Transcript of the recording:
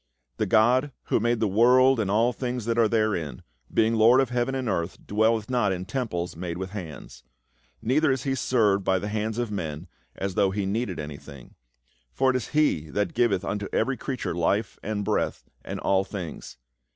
" The God who made the world and all tilings that are therein, being Lord of heaven and earth, dwelleth not in temples made with hands. Neither is he served by the hands of men, as though he needed an)i:hing ; for it is he that givcth unto every creature life and breath, and all things.